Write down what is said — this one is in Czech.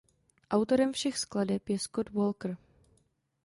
Autorem všech skladeb je Scott Walker.